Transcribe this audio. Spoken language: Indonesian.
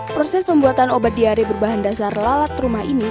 proses pembuatan obat diare berbahan dasar lalat rumah ini